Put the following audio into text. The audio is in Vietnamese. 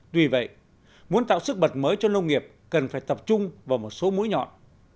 tuy vậy muốn tạo sức mật mới cho nông nghiệp cần phải tập trung vào một số mũi nhọn